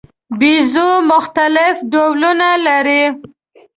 بیزو مختلف ډولونه لري.